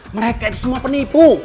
mereka itu semua penipu